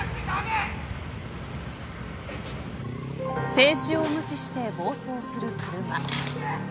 制止を無視して暴走する車。